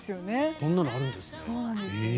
こんなのあるんですね。